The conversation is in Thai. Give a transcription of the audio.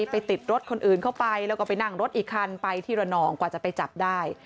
ไปติดรถคนอื่นเข้าไปแล้วก็ไปนั่งรถอีกคันไปที่ระนองกว่าจะไปจับได้